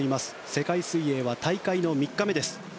世界水泳は大会３日目です。